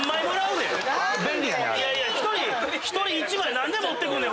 いやいや１人１枚何で持ってくんねん！